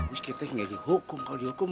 bagus kita enggak dihukum kalau dihukum mas